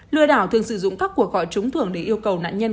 lừa đảo thường sử dụng các cuộc gọi trúng thưởng để yêu cầu nạn nhân